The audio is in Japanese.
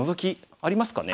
ありますね。